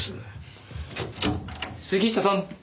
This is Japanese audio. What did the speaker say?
杉下さん。